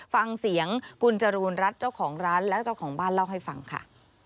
ฟังเสียงคุณจรูนรัฐเจ้าของร้านและเจ้าของบ้านเล่าให้ฟังค่ะ